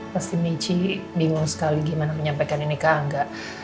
pasti michi bingung sekali gimana menyampaikan ini ke angga